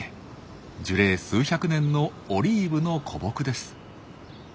樹齢数百年のオリーブの古木です。